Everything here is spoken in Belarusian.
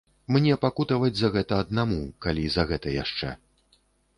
Мне пакутаваць за гэта аднаму, калі за гэта яшчэ.